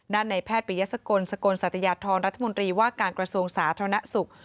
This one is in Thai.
นั่นในแพทย์ประเภทศกลสกลสัตยาทรรัฐมนตรีว่าการกระทรวงศาสนธนสุข